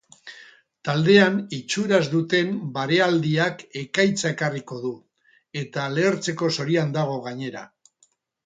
Taldean itxuraz duten barealdiak ekaitza ekarriko du, eta lehertzeko zorioan dago gainera.